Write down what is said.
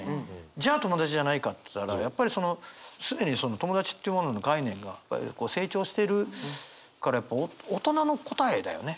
じゃあ友達じゃないかっていったらやっぱりその既にその友達っていうものの概念が成長してるから大人の答えだよね。